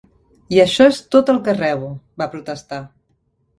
"I això és tot el que rebo", va protestar.